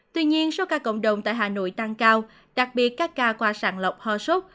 tuy nhiên số ca cộng đồng tại hà nội tăng cao đặc biệt các ca qua sàng lọc ho sốt